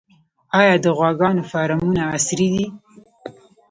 آیا د غواګانو فارمونه عصري دي؟